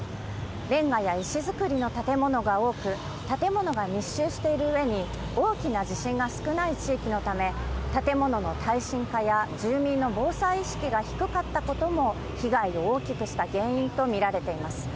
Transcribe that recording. レンガや石造りの建物が多く、建物が密集しているうえに、大きな地震が少ない地域のため、建物の耐震化や住民の防災意識が低かったことも、被害を大きくした原因と見られています。